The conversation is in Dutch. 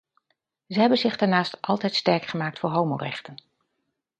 Ze hebben zich daarnaast altijd sterk gemaakt voor homorechten.